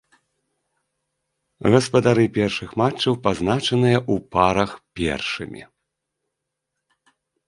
Гаспадары першых матчаў пазначаныя ў парах першымі.